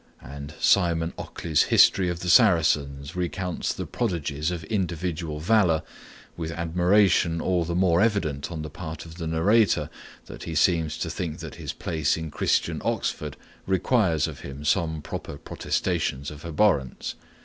And Simon Ockley's History of the Saracens recounts the prodigies of individual valor, with admiration all the more evident on the part of the narrator that he seems to think that his place in Christian Oxford requires of him some proper protestations of abhorrence.